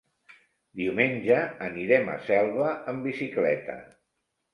Diumenge anirem a Selva amb bicicleta.